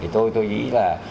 tôi nghĩ là